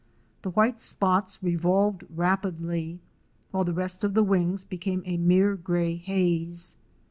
The white spots revolved rapidly, while the rest of the wings became a mere gray haze.